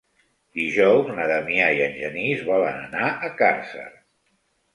Dijous na Damià i en Genís volen anar a Càrcer.